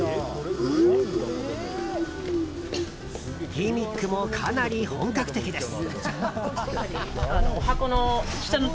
ギミックもかなり本格的です。